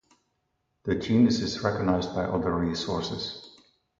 The genus is recognized by other sources.